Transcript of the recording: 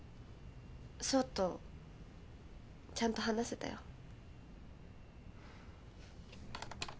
奏とちゃんと話せたよ。